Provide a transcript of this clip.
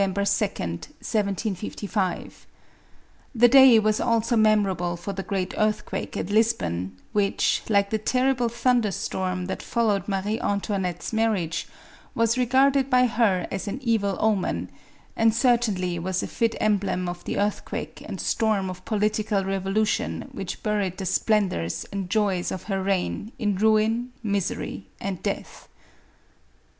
2d, 1755. The day was also memorable for the great earthquake at Lisbon, which, like the terrible thunder storm that followed Marie Antoinette's mar riage, was regarded by her as an evil omen, and cer tainly was a fit emblem of the earthquake and storm of political revolution which buried the splendors and joys of her reign in ruin, misery, and death.